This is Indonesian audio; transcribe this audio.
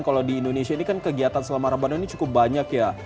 kalau di indonesia ini kan kegiatan selama ramadan ini cukup banyak ya